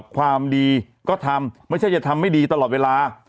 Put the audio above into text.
ความดีก็ทำไม่ใช่จะทำไม่ดีตลอดเวลา